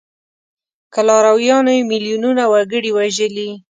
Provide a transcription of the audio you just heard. که لارویانو یې میلیونونه وګړي وژلي.